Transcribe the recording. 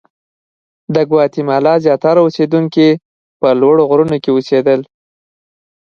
د ګواتیمالا زیاتره اوسېدونکي په لوړو غرونو کې اوسېدل.